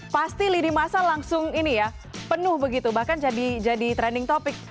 pasti lidi masa langsung ini ya penuh begitu bahkan jadi trending topic